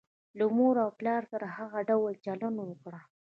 له مور او پلار سره هغه ډول چلند وکړه.